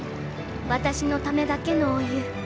私のためだけのお湯。